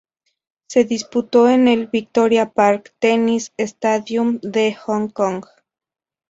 Se disputó en el "Victoria Park Tennis Stadium" de Hong Kong.